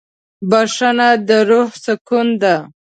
بښنه د روح سکون ده.